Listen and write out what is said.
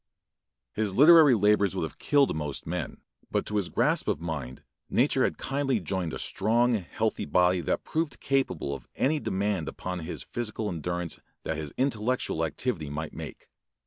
His literary labors would have killed most men, but to his grasp of mind nature had kindly joined a strong, healthy body that proved capable of any demand upon his physical endurance that his intellectual activity might make.